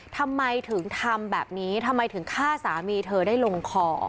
ทำไมถึงทำแบบนี้ทำไมถึงฆ่าสามีเธอได้ลงคอ